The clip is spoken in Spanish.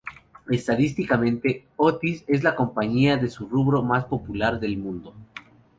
Estadísticamente, Otis es la compañía de su rubro más popular del mundo.